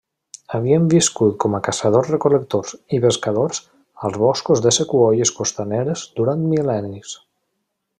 Havien viscut com a caçadors-recol·lectors i pescadors als boscos de sequoies costaneres durant mil·lennis.